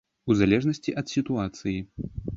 У залежнасці ад сітуацыі.